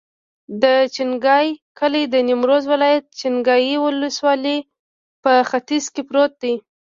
د چنګای کلی د نیمروز ولایت، چنګای ولسوالي په ختیځ کې پروت دی.